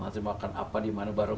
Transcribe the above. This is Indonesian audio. nanti makan apa dimana bareng